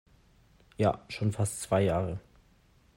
Ja, schon fast zwei Jahre.